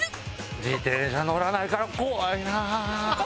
自転車乗らないから怖いなあ。